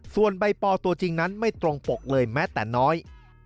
ส่วนใบปอตัวจริงนั้นไม่ตรงปกเลยแม้แต่น้อย